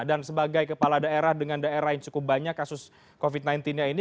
dan sebagai kepala daerah dengan daerah yang cukup banyak kasus covid sembilan belas nya ini